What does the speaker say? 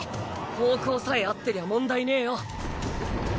方向さえ合ってりゃ問題ねぇよ。